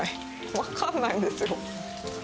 分かんないんですよ。